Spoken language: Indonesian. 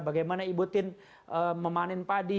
bagaimana ibu tin memanen padi